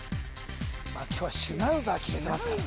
まあ今日はシュナウザー決めてますからね